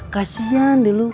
kasian deh lu